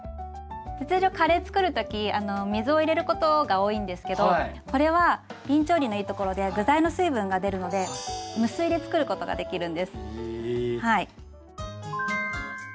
通常カレー作る時水を入れることが多いんですけどこれはびん調理のいいところで具材の水分が出るので無水で作ることができるんです。